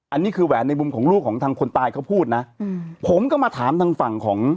อันนี้คือแหวนในมุมของลูกของทางคนตายเขาพูดนะอืมผมก็มาถามทางฝั่งของ